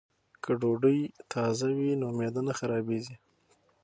که ډوډۍ تازه وي نو معده نه خرابیږي.